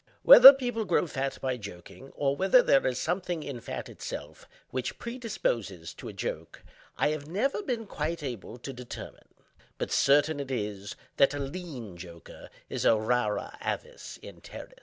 Whether people grow fat by joking, or whether there is something in fat itself which predisposes to a joke, I have never been quite able to determine; but certain it is that a lean joker is a rara avis in terris.